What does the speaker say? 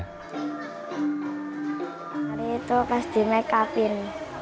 hari itu pas di make up in